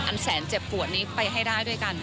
แสนเจ็บปวดนี้ไปให้ได้ด้วยกัน